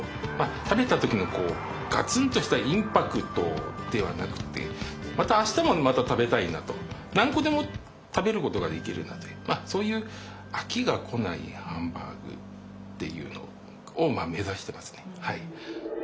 食べた時のガツンとしたインパクトではなくてまたあしたも食べたいなと何個でも食べることができるなというそういう飽きがこないハンバーグっていうのを目指してますね。